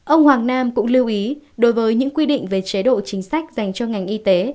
ông hoàng nam cũng lưu ý đối với những quy định về chế độ chính sách dành cho ngành y tế